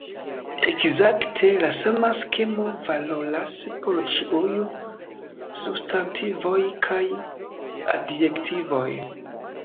Ekzakte la sama skemo valoras por ĉiuj substantivoj kaj adjektivoj.